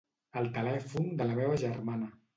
El telèfon de la meva germana.